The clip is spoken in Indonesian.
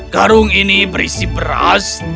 garung ini berisi beras